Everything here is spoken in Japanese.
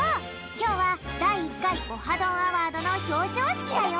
きょうはだい１かい「オハ！どんアワード」のひょうしょうしきだよ！